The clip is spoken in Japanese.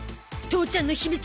父ちゃんの秘密